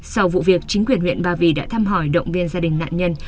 sau vụ việc chính quyền huyện ba vì đã thăm hỏi động viên gia đình nạn nhân